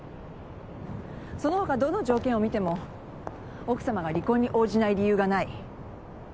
そのほかどの条件を見ても奥さまが離婚に応じない理由がない。